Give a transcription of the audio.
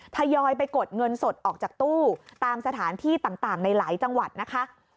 ทยอยไปกดเงินสดออกจากตู้ตามสถานที่ต่างในหลายจังหวัดนะคะ